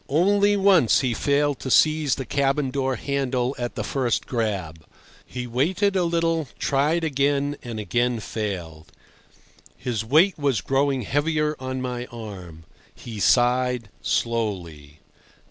Only once he failed to seize the cabin door handle at the first grab. He waited a little, tried again, and again failed. His weight was growing heavier on my arm. He sighed slowly.